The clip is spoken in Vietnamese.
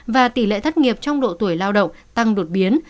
và tỷ lệ thất nghiệp trong độ tuổi lao động tăng đột biến